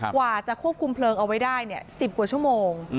กว่าจะควบคุมเพลิงเอาไว้ได้๑๐กว่าชั่วโมง